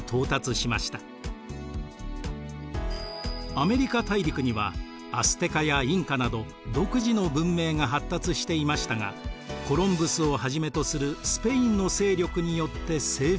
アメリカ大陸にはアステカやインカなど独自の文明が発達していましたがコロンブスをはじめとするスペインの勢力によって征服されました。